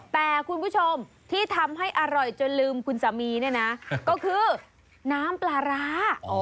แต่คุณผู้ชมที่ทำให้อร่อยจนลืมคุณสามีเนี่ยนะก็คือน้ำปลาร้า